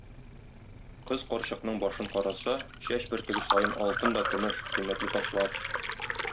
Кыз карчыкның башын караса, чәч бөртеге саен алтын да көмеш, кыйммәтле ташлар.